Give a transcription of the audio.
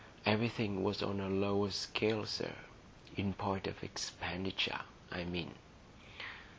Everything was on a lower scale, sir,—in point of expenditure, I mean.